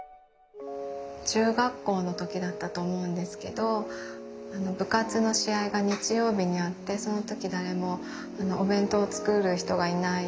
中学校の時だったと思うんですけど部活の試合が日曜日にあってその時誰もお弁当を作る人がいない。